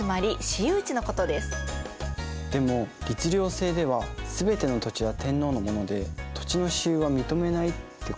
でも律令制では全ての土地は天皇のもので土地の私有は認めないってことだったよね？